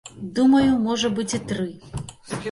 Думаю, можа быць і тры.